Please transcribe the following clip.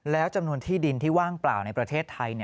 แล้วจำนวนที่ดินที่ว่างเปล่าในประเทศไทย